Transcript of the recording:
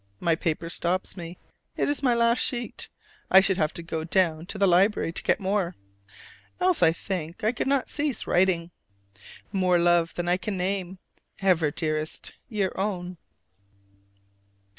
My paper stops me: it is my last sheet: I should have to go down to the library to get more else I think I could not cease writing. More love than I can name. Ever, dearest, your own.